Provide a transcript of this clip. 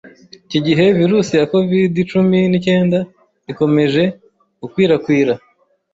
iki gihe virus ya covid-cumi nicyenda ikomeje gukwirakwira